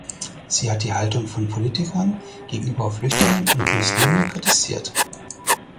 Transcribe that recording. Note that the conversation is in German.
Sie hat die Haltung von Politikern gegenüber Flüchtlingen und Muslime kritisiert.